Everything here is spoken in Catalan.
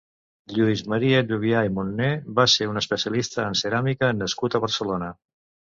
Lluís Maria Llubià i Munné va ser un especialista en ceràmica nascut a Barcelona.